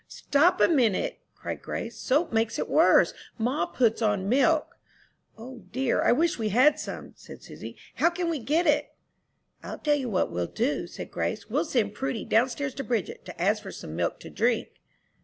"Stop a minute!" cried Grace. "Soap makes it worse ma puts on milk." "O dear! I wish we had some," said Susy; "how can we get it?" "I'll tell you what we'll do," said Grace; "we'll send Prudy down stairs to Bridget, to ask for some milk to drink."